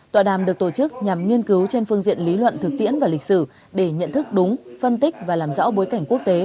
tọa đàm được tổ chức nhằm nghiên cứu trên phương diện lý luận thực tiễn và lịch sử để nhận thức đúng phân tích và làm rõ bối cảnh quốc tế